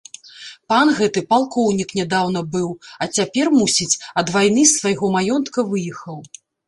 Пан гэты палкоўнік нядаўна быў, а цяпер, мусіць, ад вайны з свайго маёнтка выехаў.